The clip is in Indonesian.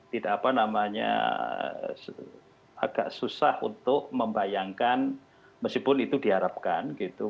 tidak apa namanya agak susah untuk membayangkan meskipun itu diharapkan gitu